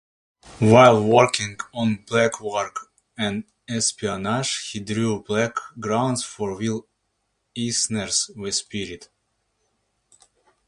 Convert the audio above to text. While working on "Blackhawk" and "Espionage", he drew backgrounds for Will Eisner's "The Spirit".